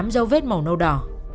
tám dấu vết màu nâu đỏ